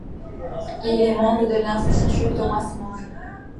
Il est membre de l'Institut Thomas-More.